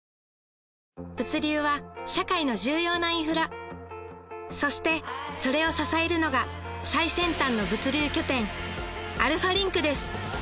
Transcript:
物流は社会の重要なインフラそしてそれを支えるのが最先端の物流拠点アルファリンクです